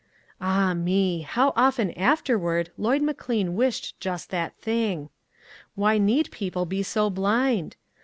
Ah, me ! how often afterward Llo}'d McLean wished just that thing. Why need people be so blind